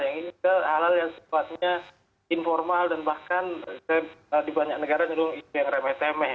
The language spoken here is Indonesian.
yang ini ke hal hal yang sifatnya informal dan bahkan di banyak negara justru yang remeh temeh